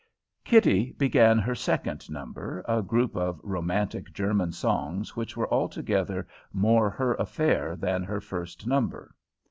Kitty began her second number, a group of romantic German songs which were altogether more her affair than her first number.